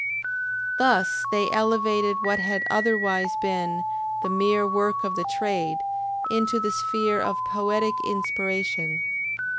Thus they elevated what had otherwise been the mere work of the trade, into the sphere of poetic inspiration.